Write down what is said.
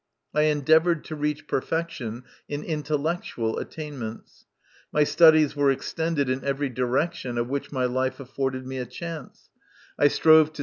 I endeavoured to reach perfection in intellectual attainments ; my studies were extended in every direction of which my life afforded me a chance ; I strove to 8 MY CONFESSION.